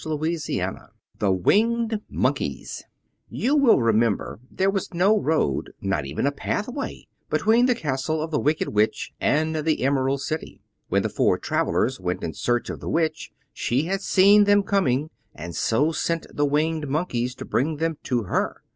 Chapter XIV The Winged Monkeys You will remember there was no road—not even a pathway—between the castle of the Wicked Witch and the Emerald City. When the four travelers went in search of the Witch she had seen them coming, and so sent the Winged Monkeys to bring them to her.